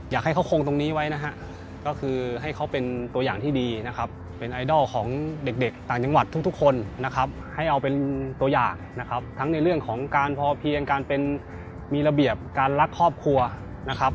อยากให้เขาคงตรงนี้ไว้นะฮะก็คือให้เขาเป็นตัวอย่างที่ดีนะครับเป็นไอดอลของเด็กเด็กต่างจังหวัดทุกทุกคนนะครับให้เอาเป็นตัวอย่างนะครับทั้งในเรื่องของการพอเพียงการเป็นมีระเบียบการรักครอบครัวนะครับ